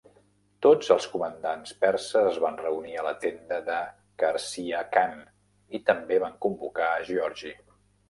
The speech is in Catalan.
Tots els comandants perses es van reunir a la tenda de Qarciha-Khan i també van convocar a Giorgi.